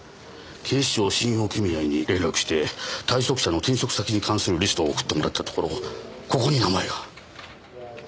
警視庁信用組合に連絡して退職者の転職先に関するリストを送ってもらったところここに名前が。